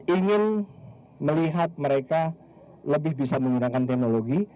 ingin melihat mereka lebih bisa menggunakan teknologi